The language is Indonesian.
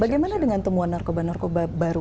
bagaimana dengan temuan narkoba narkoba baru